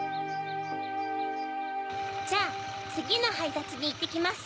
じゃあつぎのはいたつにいってきます。